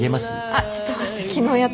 あっちょっと待って昨日やった。